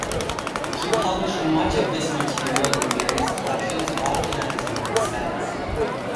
He published much of this material in various collections, often at his own expense.